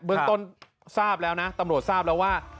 เมืองต้นทราบแล้วนะตำรวจทราบแล้วว่า